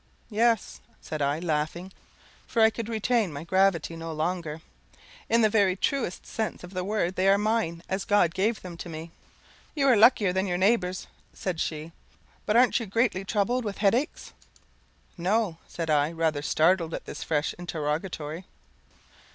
"Yes," said I, laughing; for I could retain my gravity no longer; "in the very truest sense of the word they are mine, as God gave them to me." "You luckier than your neighbours," said she. "But airn't you greatly troubled with headaches?" "No," said I, rather startled at this fresh interrogatory.